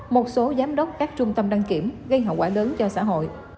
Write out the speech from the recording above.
một số giám đốc các trung tâm đăng kiểm gây hậu quả lớn cho xã hội